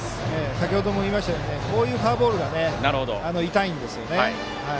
先程も言いましたがこういうフォアボールが痛いんですよね。